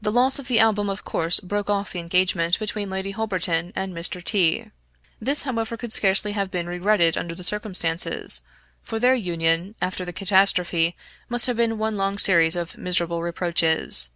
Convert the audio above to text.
The loss of the Album of course broke off the engagement between Lady Holberton and Mr. T . This however could scarcely have been regretted under the circumstances, for their union, after the catastrophe must have been one long series of miserable reproaches.